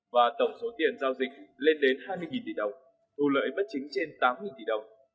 và tổng số tiền giao dịch lên đến hai mươi tỷ đồng thu lợi bất chính trên tám tỷ đồng